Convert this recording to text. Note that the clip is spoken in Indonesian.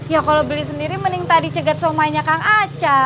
ya kalau beli sendiri mending tadi cegat somainya kang aca